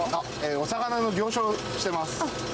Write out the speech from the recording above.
お魚の行商をしてます。